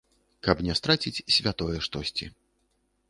Каб не страціць святое штосьці.